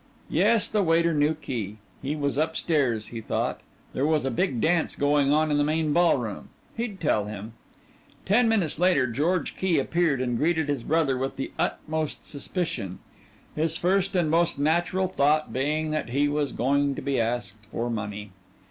Yes, the waiter knew Key. He was up stairs, he thought. There was a big dance going on in the main ballroom. He'd tell him. Ten minutes later George Key appeared and greeted his brother with the utmost suspicion; his first and most natural thought being that he was going to be asked for money.